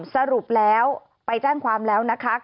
สรุปแล้วไปแจ้งความแล้วนะคะ